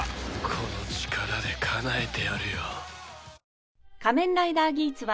この力でかなえてやるよ。